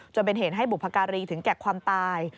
จนเป็นเหตุให้บุพการีถึงแก่ความตาย